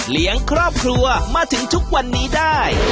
เลี้ยงครอบครัวมาถึงทุกวันนี้ได้